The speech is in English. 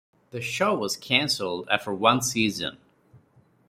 The show was cancelled after one season.